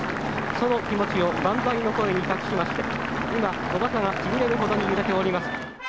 その気持ちを万歳の声に託しまして今小旗がちぎれるほどに揺れております」。